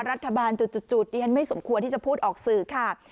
รัฐบาลจูดมันต้องพูดออกสือค่ะ